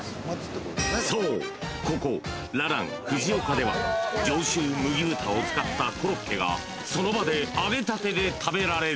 ［そうここららん藤岡では上州麦豚を使ったコロッケがその場で揚げたてで食べられる］